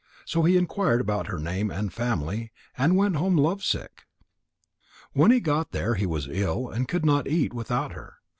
So he inquired about her name and family and went home lovesick. When he got there, he was ill and could not eat without her.